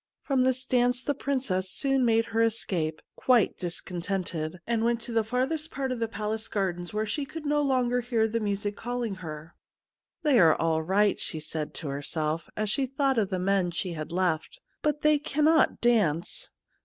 From this dance the Prin cess soon made her escape, quite discontented, and went to the furthest part of the palace gardens, where she could no longer hear the music calling her. ' Thej^ are all right/ she said to herself as she thought of the men she had left, ' but they cannot dance.